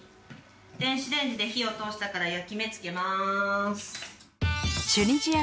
電子レンジで火を通したから焼き目付けます。